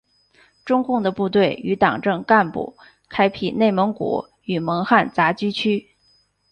中共的部队与党政干部开辟内蒙古与蒙汉杂居区。